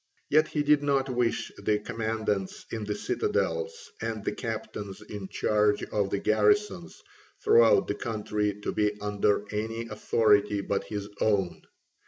Yet he did not wish the commandants in the citadels and the captains in charge of the garrisons throughout the country to be under any authority but his own.